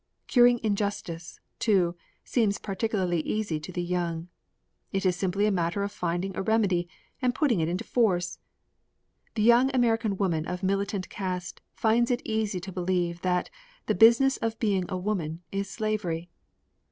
Curing injustice, too, seems particularly easy to the young. It is simply a matter of finding a remedy and putting it into force! The young American woman of militant cast finds it is easy to believe that the Business of Being a Woman is slavery.